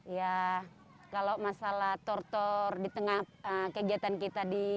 ya kalau masalah tor tor di tengah kegiatan kita